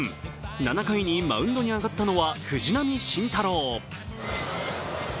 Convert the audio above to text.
７回にマウンドに上がったのは藤浪晋太郎。